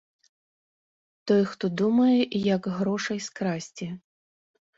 Той, хто думае, як грошай скрасці?